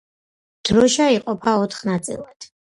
დროშა იყოფა ოთხ ნაწილად.